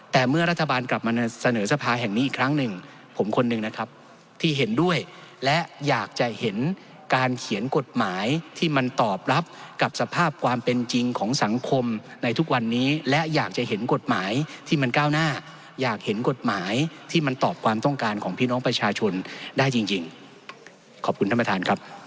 แต่เมื่อรัฐบาลกลับมาเสนอสภาแห่งนี้อีกครั้งหนึ่งผมคนหนึ่งนะครับที่เห็นด้วยและอยากจะเห็นการเขียนกฎหมายที่มันตอบรับกับสภาพความเป็นจริงของสังคมในทุกวันนี้และอยากจะเห็นกฎหมายที่มันก้าวหน้าอยากเห็นกฎหมายที่มันตอบความต้องการของพี่น้องประชาชนได้จริงขอบคุณท่านประธานครับ